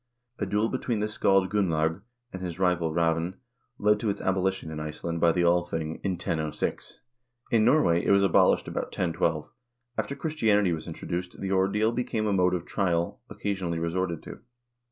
A duel between the scald Gunlaug and his rival Elavil led to its abolition in Iceland by the Althing, in 1006. * In Norway it was abolished about 1012. After Christianity was introduced, the ordeal became a mode of trial occasionally resorted to.